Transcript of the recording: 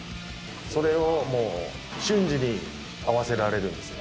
それをもう瞬時に合わせられるんですよ